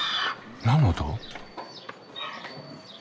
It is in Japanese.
何の音？